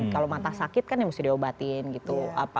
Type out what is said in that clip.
kalau mata sakit kan ya mesti diobatin gitu